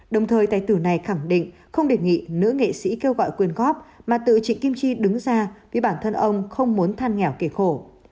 đồng thời tải tử này khẳng định không đề nghị nữ nghệ sĩ kêu gọi quyền góp mà tự trịnh kim chi đứng ra vì bản thân ông không muốn than nghèo kể khổ